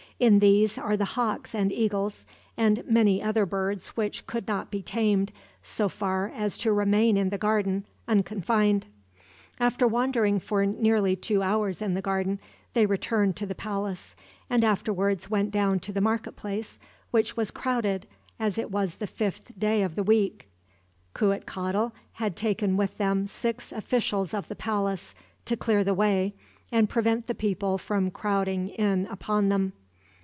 In these are the hawks and eagles, and many other birds which could not be tamed so far as to remain in the garden, unconfined." After wandering for nearly two hours in the garden, they returned to the palace; and afterwards went down to the marketplace, which was crowded, as it was the fifth day of the week. Cuitcatl had taken with them six officials of the palace, to clear the way and prevent the people from crowding in upon them.